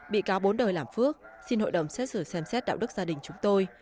bị cáo bốn đời làm phước xin hội đồng xét xử xem xét đạo đức gia đình chúng tôi